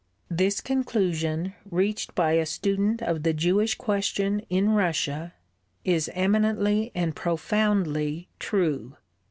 This conclusion, reached by a student of the Jewish question in Russia, is eminently and profoundly true.